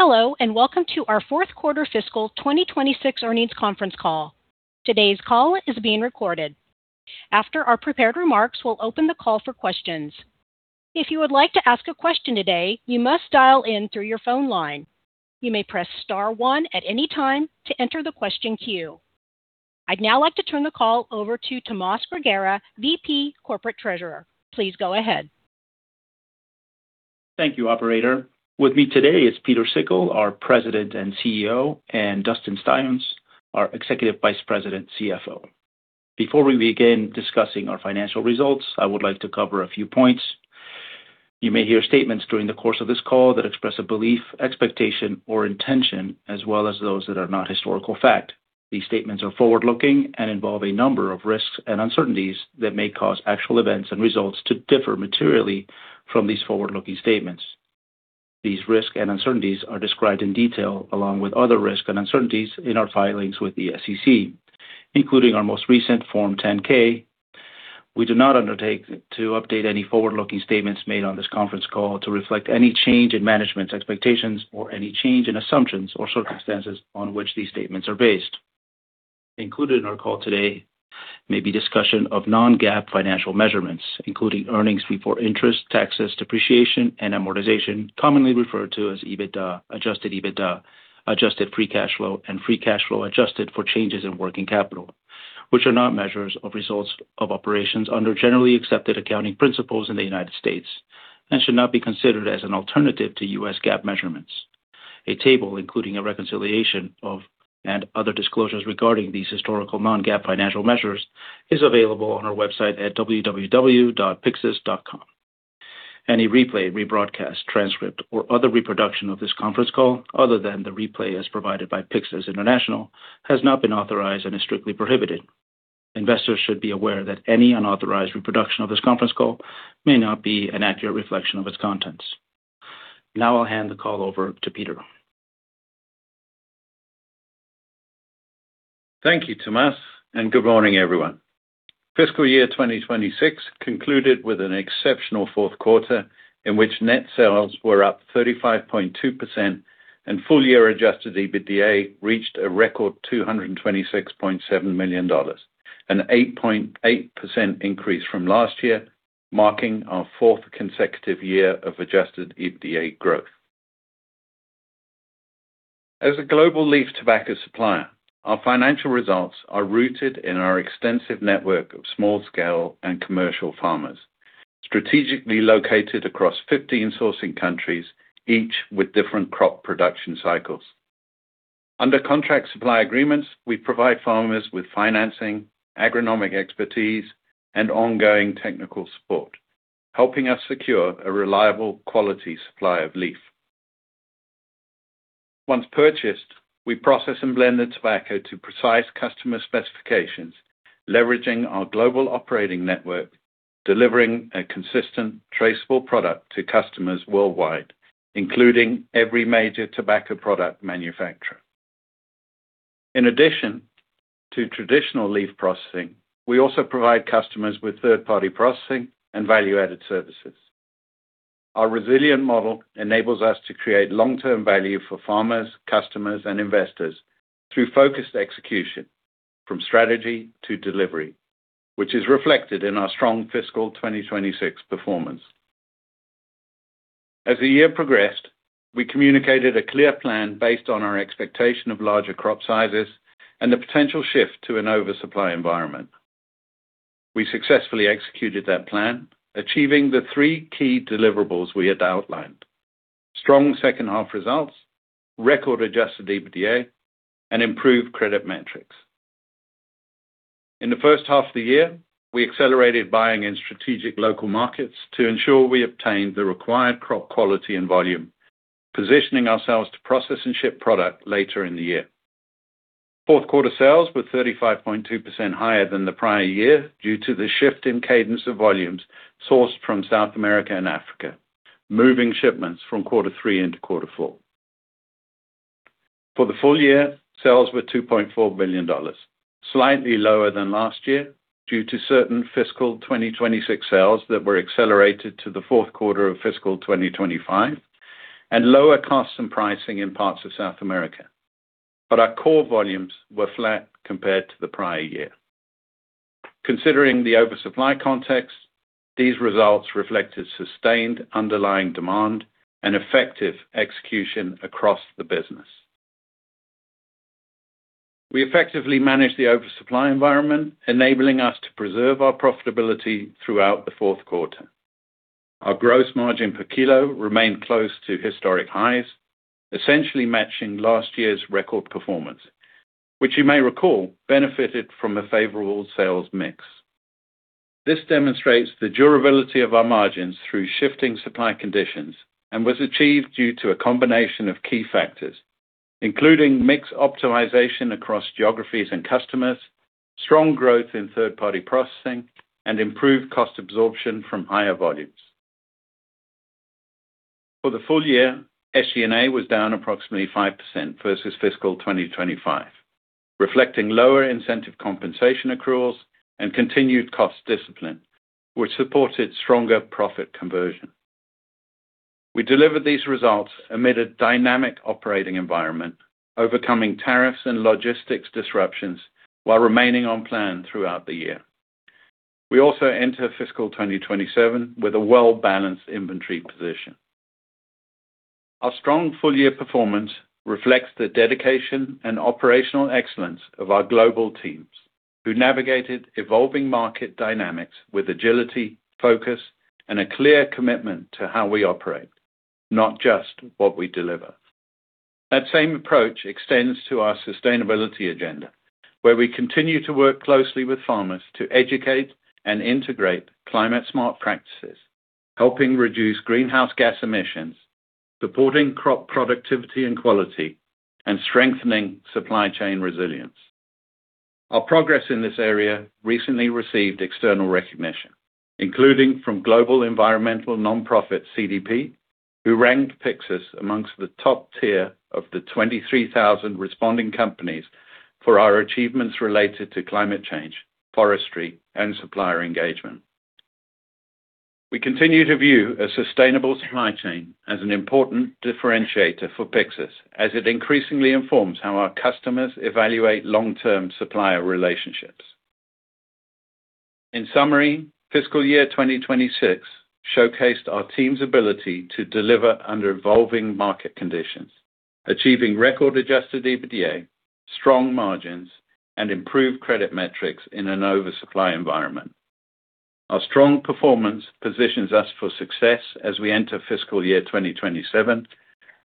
Hello, welcome to our fourth quarter fiscal 2026 earnings conference call. Today's call is being recorded. After our prepared remarks, we'll open the call for questions. If you would like to ask a question today, you must dial in through your phone line. You may press star one at any time to enter the question queue. I'd now like to turn the call over to Tomas Grigera, VP Corporate Treasurer. Please go ahead. Thank you, operator. With me today is Pieter Sikkel, our President and CEO, and Dustin Styons, our Executive Vice President, CFO. Before we begin discussing our financial results, I would like to cover a few points. You may hear statements during the course of this call that express a belief, expectation, or intention, as well as those that are not historical fact. These statements are forward-looking and involve a number of risks and uncertainties that may cause actual events and results to differ materially from these forward-looking statements. These risks and uncertainties are described in detail along with other risks and uncertainties in our filings with the SEC, including our most recent Form 10-K. We do not undertake to update any forward-looking statements made on this conference call to reflect any change in management's expectations or any change in assumptions or circumstances on which these statements are based. Included in our call today may be discussion of non-GAAP financial measurements, including earnings before interest, taxes, depreciation, and amortization, commonly referred to as EBITDA, adjusted EBITDA, adjusted free cash flow, and free cash flow adjusted for changes in working capital, which are not measures of results of operations under generally accepted accounting principles in the United States and should not be considered as an alternative to U.S. GAAP measurements. A table including a reconciliation of, and other disclosures regarding these historical non-GAAP financial measures is available on our website at www.pyxus.com. Any replay, rebroadcast, transcript, or other reproduction of this conference call, other than the replay as provided by Pyxus International, has not been authorized and is strictly prohibited. Investors should be aware that any unauthorized reproduction of this conference call may not be an accurate reflection of its contents. Now I'll hand the call over to Pieter. Thank you, Tomas, and good morning, everyone. Fiscal year 2026 concluded with an exceptional fourth quarter in which net sales were up 35.2% and full year adjusted EBITDA reached a record $226.7 million, an 8.8% increase from last year, marking our fourth consecutive year of adjusted EBITDA growth. As a global leaf tobacco supplier, our financial results are rooted in our extensive network of small scale and commercial farmers, strategically located across 15 sourcing countries, each with different crop production cycles. Under contract supply agreements, we provide farmers with financing, agronomic expertise, and ongoing technical support, helping us secure a reliable quality supply of leaf. Once purchased, we process and blend the tobacco to precise customer specifications, leveraging our global operating network, delivering a consistent traceable product to customers worldwide, including every major tobacco product manufacturer. In addition to traditional leaf processing, we also provide customers with third-party processing and value-added services. Our resilient model enables us to create long-term value for farmers, customers, and investors through focused execution from strategy to delivery, which is reflected in our strong fiscal 2026 performance. As the year progressed, we communicated a clear plan based on our expectation of larger crop sizes and the potential shift to an oversupply environment. We successfully executed that plan, achieving the three key deliverables we had outlined: strong second half results, record adjusted EBITDA, and improved credit metrics. In the first half of the year, we accelerated buying in strategic local markets to ensure we obtained the required crop quality and volume, positioning ourselves to process and ship product later in the year. Fourth quarter sales were 35.2% higher than the prior year due to the shift in cadence of volumes sourced from South America and Africa, moving shipments from quarter three into quarter four. For the full year, sales were $2.4 billion, slightly lower than last year due to certain fiscal 2026 sales that were accelerated to the fourth quarter of fiscal 2025 and lower cost and pricing in parts of South America. Our core volumes were flat compared to the prior year. Considering the oversupply context, these results reflected sustained underlying demand and effective execution across the business. We effectively managed the oversupply environment, enabling us to preserve our profitability throughout the fourth quarter. Our gross margin per kilo remained close to historic highs, essentially matching last year's record performance, which you may recall benefited from a favorable sales mix. This demonstrates the durability of our margins through shifting supply conditions and was achieved due to a combination of key factors, including mix optimization across geographies and customers, strong growth in third-party processing, and improved cost absorption from higher volumes. For the full year, SG&A was down approximately 5% versus fiscal 2025. Reflecting lower incentive compensation accruals and continued cost discipline, which supported stronger profit conversion. We delivered these results amid a dynamic operating environment, overcoming tariffs and logistics disruptions while remaining on plan throughout the year. We also enter fiscal 2027 with a well-balanced inventory position. Our strong full-year performance reflects the dedication and operational excellence of our global teams, who navigated evolving market dynamics with agility, focus, and a clear commitment to how we operate, not just what we deliver. That same approach extends to our sustainability agenda, where we continue to work closely with farmers to educate and integrate climate-smart practices, helping reduce greenhouse gas emissions, supporting crop productivity and quality, and strengthening supply chain resilience. Our progress in this area recently received external recognition, including from global environmental nonprofit CDP, who ranked Pyxus amongst the top tier of the 23,000 responding companies for our achievements related to climate change, forestry, and supplier engagement. We continue to view a sustainable supply chain as an important differentiator for Pyxus as it increasingly informs how our customers evaluate long-term supplier relationships. In summary, fiscal year 2026 showcased our team's ability to deliver under evolving market conditions, achieving record-adjusted EBITDA, strong margins, and improved credit metrics in an oversupply environment. Our strong performance positions us for success as we enter fiscal year 2027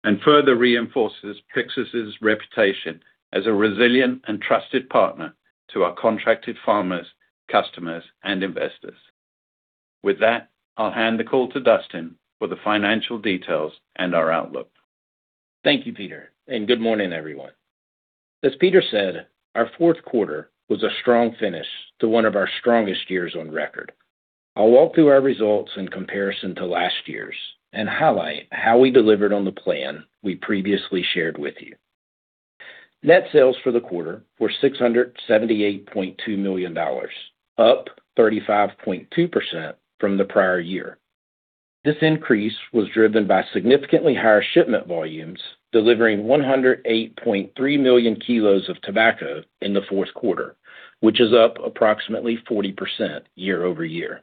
and further reinforces Pyxus' reputation as a resilient and trusted partner to our contracted farmers, customers, and investors. With that, I'll hand the call to Dustin for the financial details and our outlook. Thank you, Pieter, and good morning, everyone. As Pieter said, our fourth quarter was a strong finish to one of our strongest years on record. I'll walk through our results in comparison to last year's and highlight how we delivered on the plan we previously shared with you. Net sales for the quarter were $678.2 million, up 35.2% from the prior year. This increase was driven by significantly higher shipment volumes, delivering 108.3 million kilos of tobacco in the fourth quarter, which is up approximately 40% year-over-year.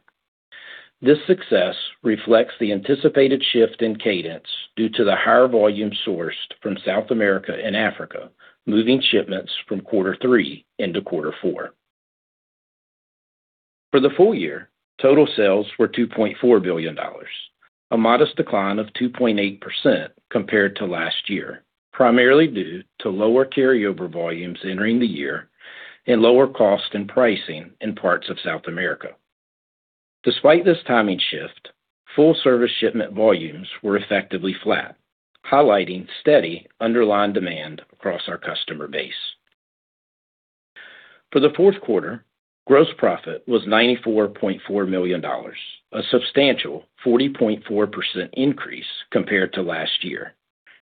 This success reflects the anticipated shift in cadence due to the higher volume sourced from South America and Africa, moving shipments from quarter three into quarter four. For the full year, total sales were $2.4 billion, a modest decline of 2.8% compared to last year, primarily due to lower carryover volumes entering the year and lower cost and pricing in parts of South America. Despite this timing shift, full-service shipment volumes were effectively flat, highlighting steady underlying demand across our customer base. For the fourth quarter, gross profit was $94.4 million, a substantial 40.4% increase compared to last year,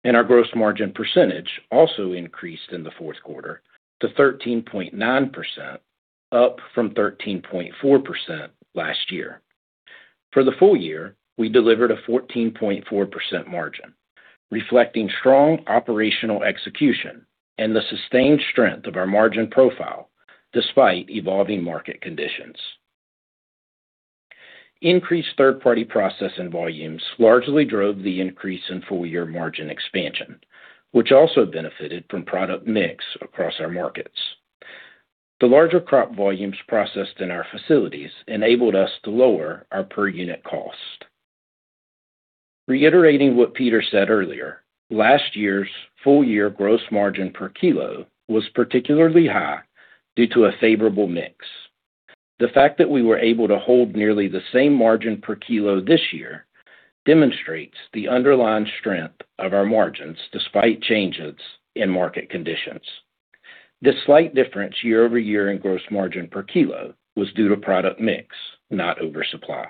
and our gross margin percentage also increased in the fourth quarter to 13.9%, up from 13.4% last year. For the full year, we delivered a 14.4% margin, reflecting strong operational execution and the sustained strength of our margin profile despite evolving market conditions. Increased third-party processing volumes largely drove the increase in full-year margin expansion, which also benefited from product mix across our markets. The larger crop volumes processed in our facilities enabled us to lower our per-unit cost. Reiterating what Pieter said earlier, last year's full-year gross margin per kilo was particularly high due to a favorable mix. The fact that we were able to hold nearly the same margin per kilo this year demonstrates the underlying strength of our margins despite changes in market conditions. This slight difference year-over-year in gross margin per kilo was due to product mix, not oversupply.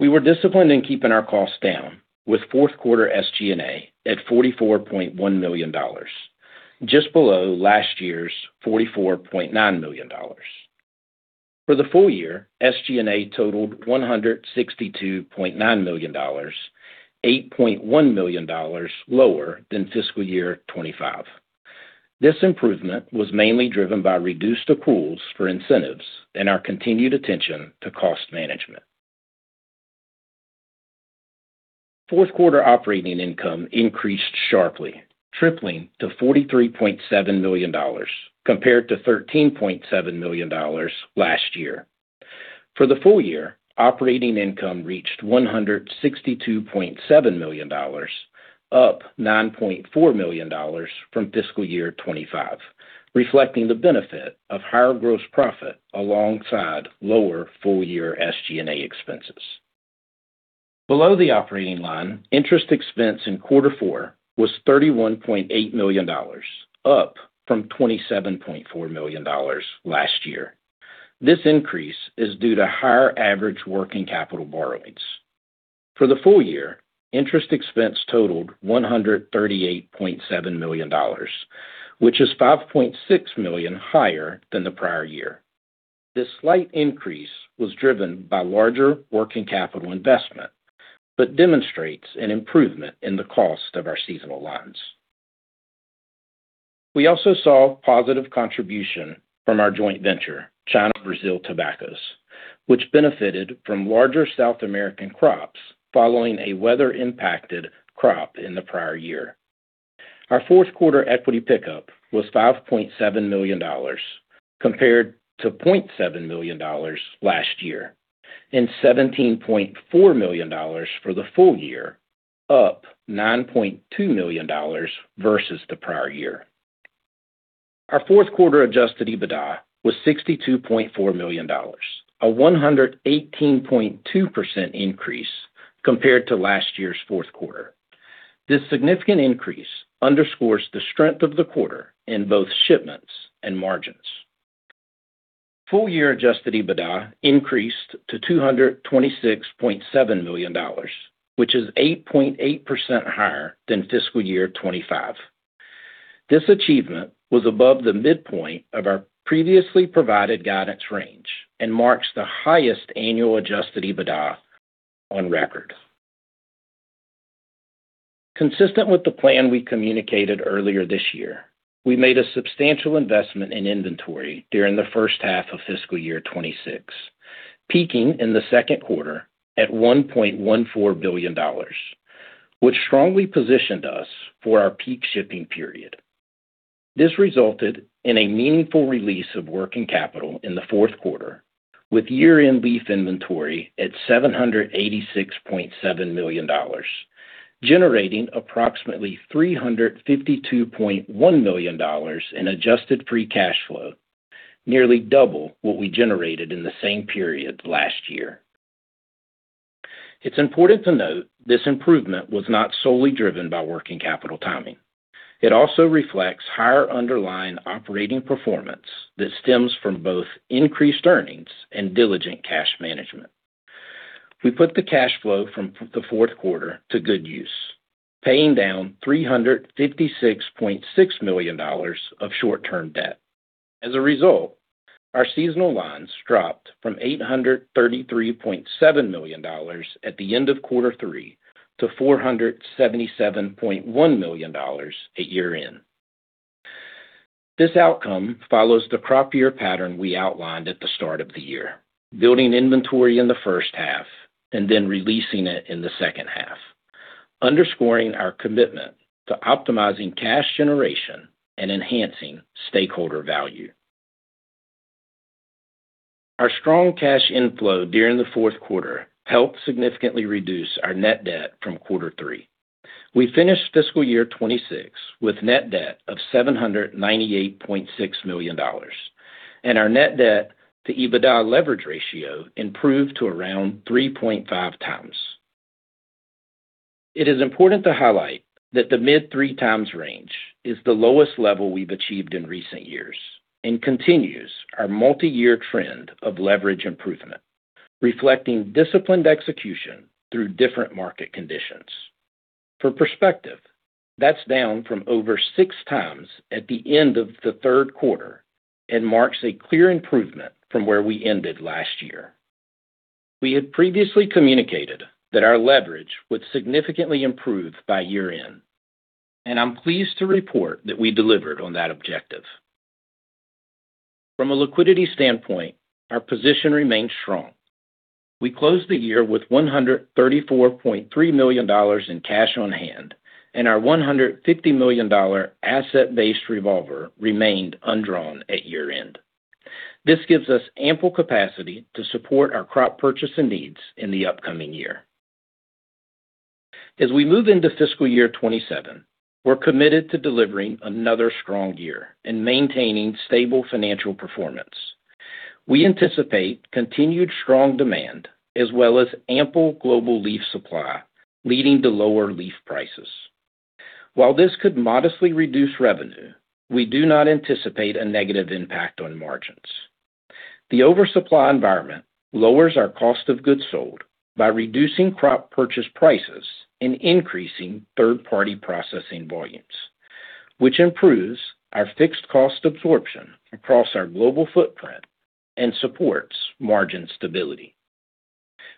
We were disciplined in keeping our costs down with fourth quarter SG&A at $44.1 million, just below last year's $44.9 million. For the full-year, SG&A totaled $162.9 million, $8.1 million lower than fiscal year 2025. This improvement was mainly driven by reduced accruals for incentives and our continued attention to cost management. Fourth quarter operating income increased sharply, tripling to $43.7 million compared to $13.7 million last year. For the full year, operating income reached $162.7 million, up $9.4 million from fiscal year 2025, reflecting the benefit of higher gross profit alongside lower full-year SG&A expenses. Below the operating line, interest expense in quarter four was $31.8 million, up from $27.4 million last year. This increase is due to higher average working capital borrowings. For the full year, interest expense totaled $138.7 million, which is $5.6 million higher than the prior year. This slight increase was driven by larger working capital investment, demonstrates an improvement in the cost of our seasonal lines. We also saw positive contribution from our joint venture, China Brasil Tabacos, which benefited from larger South American crops following a weather-impacted crop in the prior year. Our fourth quarter equity pickup was $5.7 million, compared to $0.7 million last year, and $17.4 million for the full year, up $9.2 million versus the prior year. Our fourth quarter adjusted EBITDA was $62.4 million, a 118.2% increase compared to last year's fourth quarter. This significant increase underscores the strength of the quarter in both shipments and margins. Full-year adjusted EBITDA increased to $226.7 million, which is 8.8% higher than fiscal year 2025. This achievement was above the midpoint of our previously provided guidance range and marks the highest annual adjusted EBITDA on record. Consistent with the plan we communicated earlier this year, we made a substantial investment in inventory during the first half of fiscal year 2026, peaking in the second quarter at $1.14 billion, which strongly positioned us for our peak shipping period. This resulted in a meaningful release of working capital in the fourth quarter, with year-end leaf inventory at $786.7 million, generating approximately $352.1 million in adjusted free cash flow, nearly double what we generated in the same period last year. It's important to note this improvement was not solely driven by working capital timing. It also reflects higher underlying operating performance that stems from both increased earnings and diligent cash management. We put the cash flow from the fourth quarter to good use, paying down $356.6 million of short-term debt. As a result, our seasonal lines dropped from $833.7 million at the end of Quarter Three to $477.1 million at year-end. This outcome follows the crop year pattern we outlined at the start of the year, building inventory in the first half and then releasing it in the second half, underscoring our commitment to optimizing cash generation and enhancing stakeholder value. Our strong cash inflow during the fourth quarter helped significantly reduce our net debt from quarter three. We finished fiscal year 2026 with net debt of $798.6 million, and our net debt to EBITDA leverage ratio improved to around 3.5x. It is important to highlight that the mid-three times range is the lowest level we've achieved in recent years and continues our multi-year trend of leverage improvement, reflecting disciplined execution through different market conditions. For perspective, that's down from over 6x at the end of the third quarter and marks a clear improvement from where we ended last year. We had previously communicated that our leverage would significantly improve by year-end, and I'm pleased to report that we delivered on that objective. From a liquidity standpoint, our position remains strong. We closed the year with $134.3 million in cash on hand, and our $150 million asset-based revolver remained undrawn at year-end. This gives us ample capacity to support our crop purchasing needs in the upcoming year. As we move into fiscal year 2027, we're committed to delivering another strong year and maintaining stable financial performance. We anticipate continued strong demand, as well as ample global leaf supply, leading to lower leaf prices. While this could modestly reduce revenue, we do not anticipate a negative impact on margins. The oversupply environment lowers our cost of goods sold by reducing crop purchase prices and increasing third-party processing volumes, which improves our fixed cost absorption across our global footprint and supports margin stability.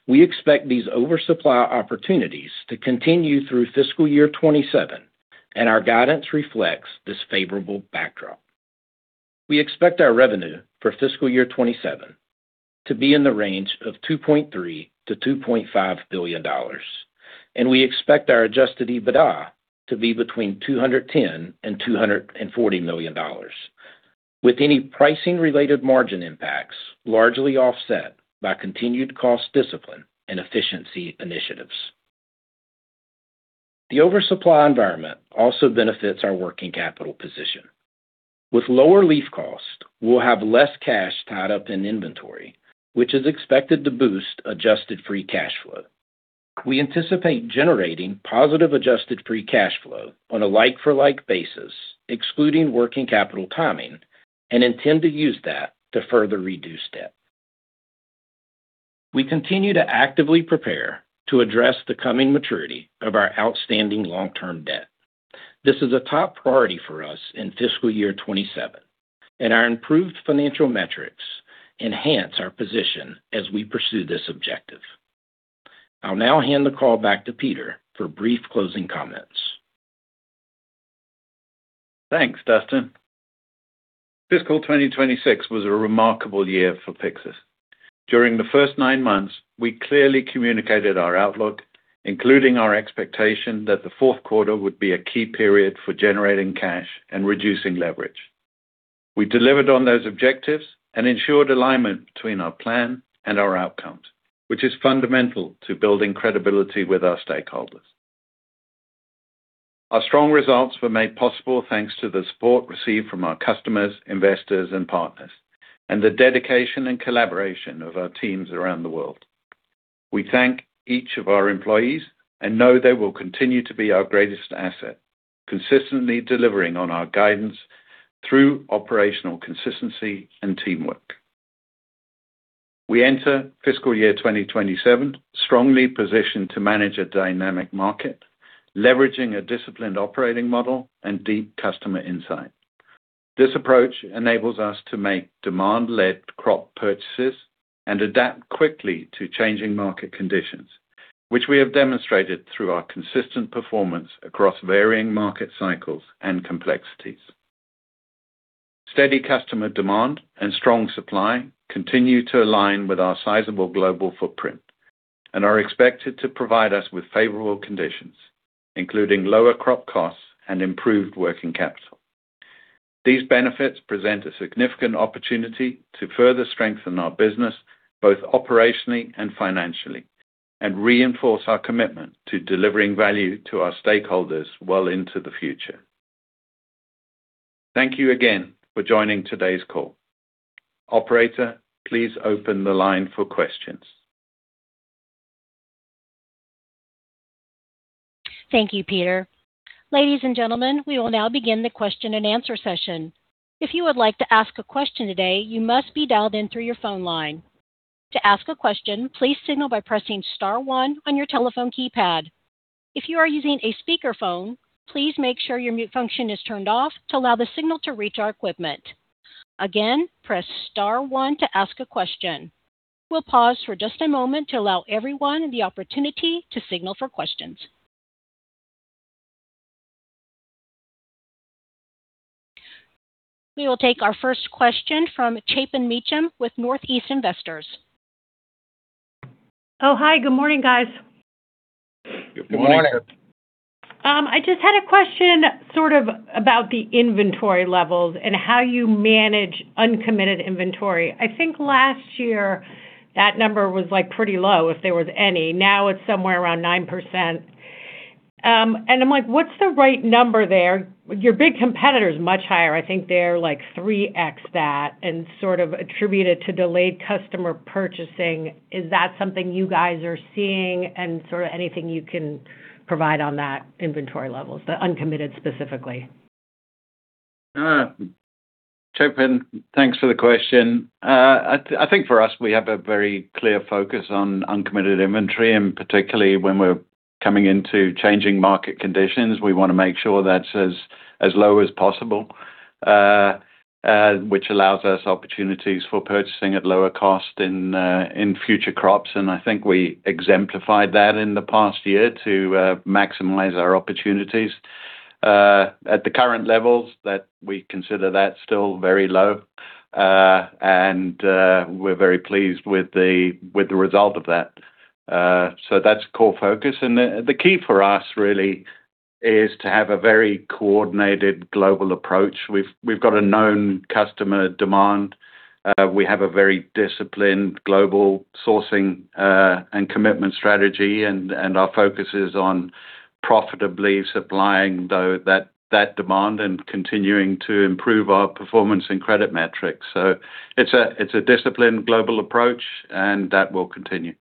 We expect these oversupply opportunities to continue through fiscal year 2027, and our guidance reflects this favorable backdrop. We expect our revenue for fiscal year 2027 to be in the range of $2.3 billion-$2.5 billion, and we expect our adjusted EBITDA to be between $210 million and $240 million, with any pricing-related margin impacts largely offset by continued cost discipline and efficiency initiatives. The oversupply environment also benefits our working capital position. With lower leaf cost, we'll have less cash tied up in inventory, which is expected to boost adjusted free cash flow. We anticipate generating positive adjusted free cash flow on a like-for-like basis, excluding working capital timing. Intend to use that to further reduce debt. We continue to actively prepare to address the coming maturity of our outstanding long-term debt. This is a top priority for us in fiscal year 2027. Our improved financial metrics enhance our position as we pursue this objective. I'll now hand the call back to Pieter for brief closing comments. Thanks, Dustin. Fiscal 2026 was a remarkable year for Pyxus. During the first nine months, we clearly communicated our outlook, including our expectation that the fourth quarter would be a key period for generating cash and reducing leverage. We delivered on those objectives and ensured alignment between our plan and our outcomes, which is fundamental to building credibility with our stakeholders. Our strong results were made possible thanks to the support received from our customers, investors and partners, and the dedication and collaboration of our teams around the world. We thank each of our employees and know they will continue to be our greatest asset, consistently delivering on our guidance through operational consistency and teamwork. We enter fiscal year 2027 strongly positioned to manage a dynamic market, leveraging a disciplined operating model and deep customer insight. This approach enables us to make demand-led crop purchases and adapt quickly to changing market conditions, which we have demonstrated through our consistent performance across varying market cycles and complexities. Steady customer demand and strong supply continue to align with our sizable global footprint and are expected to provide us with favorable conditions, including lower crop costs and improved working capital. These benefits present a significant opportunity to further strengthen our business, both operationally and financially, and reinforce our commitment to delivering value to our stakeholders well into the future. Thank you again for joining today's call. Operator, please open the line for questions. Thank you, Pieter. Ladies and gentlemen, we will now begin the question and answer session. If you would like to ask a question today, you must be dialed in through your phone line. To ask a question, please signal by pressing star one on your telephone keypad. If you are using a speakerphone, please make sure your mute function is turned off to allow the signal to reach our equipment. Again, press star one to ask a question. We will pause for just a moment to allow everyone the opportunity to signal for questions. We will take our first question from Chapin Mechem with Northeast Investors. Oh, hi. Good morning, guys. Good morning. Good morning. I just had a question sort of about the inventory levels and how you manage uncommitted inventory. I think last year that number was pretty low, if there was any. Now it's somewhere around 9%. I'm like, what's the right number there? Your big competitor is much higher. I think they're like 3x that and sort of attribute it to delayed customer purchasing. Is that something you guys are seeing and sort of anything you can provide on that inventory levels, the uncommitted specifically? Chapin, thanks for the question. I think for us, we have a very clear focus on uncommitted inventory, particularly when we're coming into changing market conditions, we want to make sure that's as low as possible, which allows us opportunities for purchasing at lower cost in future crops. I think we exemplified that in the past year to maximize our opportunities. At the current levels that we consider that still very low. We're very pleased with the result of that. That's core focus. The key for us really is to have a very coordinated global approach. We've got a known customer demand. We have a very disciplined global sourcing, and commitment strategy, our focus is on profitably supplying that demand and continuing to improve our performance and credit metrics. It's a disciplined global approach, that will continue.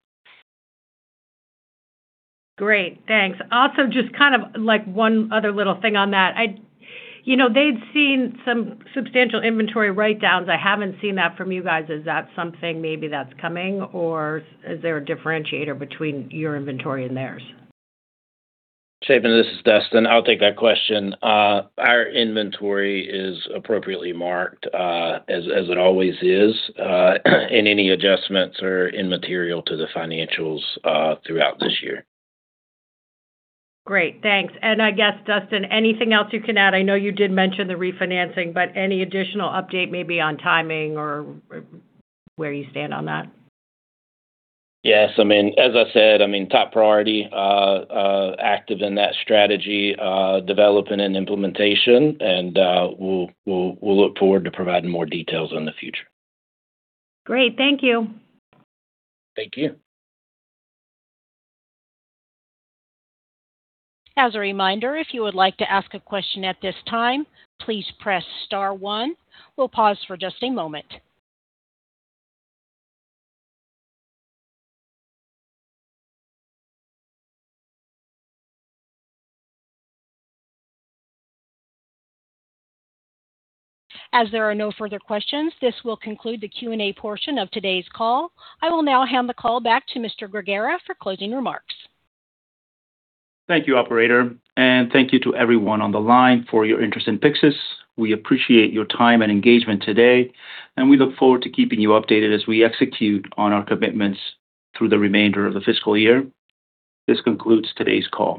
Great, thanks. Just kind of one other little thing on that. They've seen some substantial inventory write-downs. I haven't seen that from you guys. Is that something maybe that's coming, or is there a differentiator between your inventory and theirs? Chapin, this is Dustin. I'll take that question. Our inventory is appropriately marked, as it always is and any adjustments are immaterial to the financials throughout this year. Great. Thanks. I guess, Dustin, anything else you can add? I know you did mention the refinancing, but any additional update maybe on timing or where you stand on that? Yes. As I said, top priority, active in that strategy, development, and implementation. We'll look forward to providing more details in the future. Great. Thank you. Thank you. As a reminder, if you would like to ask a question at this time, please press star one. We'll pause for just a moment. As there are no further questions, this will conclude the Q&A portion of today's call. I will now hand the call back to Mr. Grigera for closing remarks. Thank you, operator, and thank you to everyone on the line for your interest in Pyxus. We appreciate your time and engagement today, and we look forward to keeping you updated as we execute on our commitments through the remainder of the fiscal year. This concludes today's call.